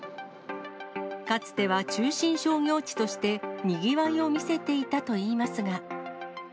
かつては中心商業地として、にぎわいを見せていたといいますが。